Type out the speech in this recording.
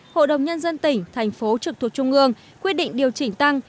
hội đồng nhân dân tỉnh thành phố trực thuộc trung ương quyết định điều chỉnh tăng